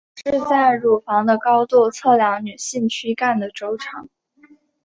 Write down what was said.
是在乳房的高度测量女性躯干的周长。